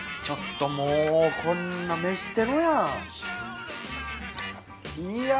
ちょっともうこんな飯テロやん。